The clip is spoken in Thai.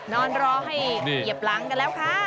นอนรอให้เหยียบหลังกันแล้วค่ะ